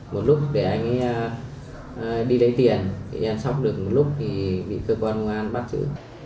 một lúc để anh ấy đi lấy tiền em sóc được một lúc thì bị cơ quan quân an bắt giữ